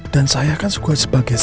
dan saya akan sekuat sebagai saksi